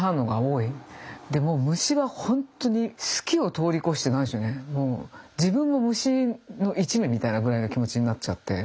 でもう虫は本当に好きを通り越して何でしょうねもう自分も虫の一味みたいなぐらいの気持ちになっちゃって。